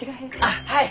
あっはい！